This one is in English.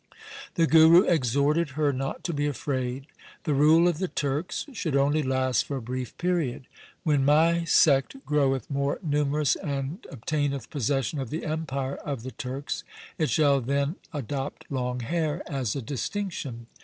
The Guru exhorted her not to be afraid. The rule of the Turks should only last for a brief period. ' When my sect groweth more numerous and obtaineth possession of the empire of the Turks, it shall then adopt long hair as a distinction.